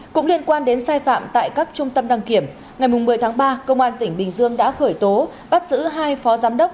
cũng liên quan đến sai phạm tại các trung tâm đăng kiểm ngày một mươi tháng ba công an tỉnh bình dương đã khởi tố bắt giữ hai phó giám đốc